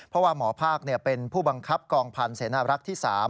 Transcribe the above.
เพราะว่าหมอภาคเป็นผู้บังคับกองพันธ์เสนารักษ์ที่๓